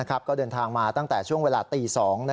ก็เดินทางมาตั้งแต่ช่วงเวลาตี๒